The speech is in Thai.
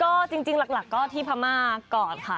ก็จริงหลักก็ที่พม่าก่อนค่ะ